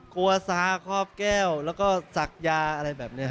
โครวัสาร์ตครอบแก้วจักยา๗๐นาที